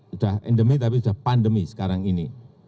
ini bukan sudah endemi tapi sudah pandemi sekarang ini